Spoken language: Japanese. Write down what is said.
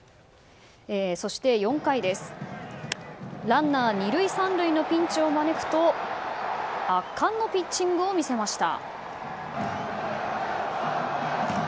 ４回にランナー２塁３塁のピンチを招くと圧巻のピッチングを見せました。